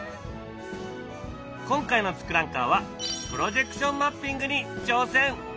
今回の「ツクランカー」は「プロジェクションマッピング」に挑戦！